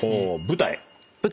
舞台⁉